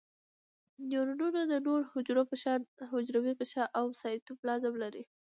نیورونونه د نورو حجرو په شان حجروي غشاء او سایتوپلازم لري.